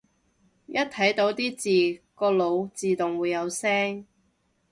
一睇到啲字個腦自動會有聲